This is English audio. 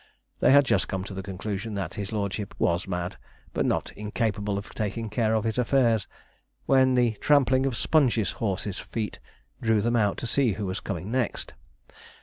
They had just come to the conclusion that his lordship was mad, but not incapable of taking care of his affairs, when the trampling of Sponge's horse's feet drew them out to see who was coming next.